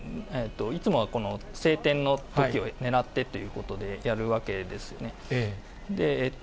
いつもはこの晴天のときを狙ってということでやるわけですよね。